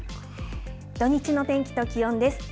土日の天気と気温です。